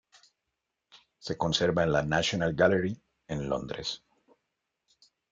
Se conserva en la National Gallery, en Londres.